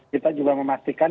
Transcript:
kita juga memastikan